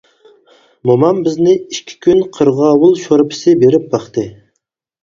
مومام بىزنى ئىككى كۈن قىرغاۋۇل شورپىسى بېرىپ باقتى.